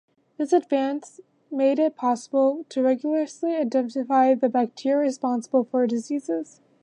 This advance made it possible to rigorously identify the bacteria responsible for diseases.